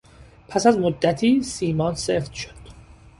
پس از مدتی سیمان سفت شد.